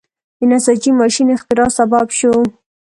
د نساجۍ ماشین اختراع سبب شو.